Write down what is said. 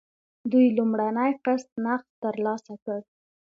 دوی لومړنی قسط نغد ترلاسه کړ.